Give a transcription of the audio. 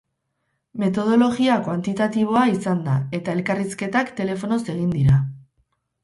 Metodologia kuantitatiboa izan da, eta elkarrizketak telefonoz egin dira.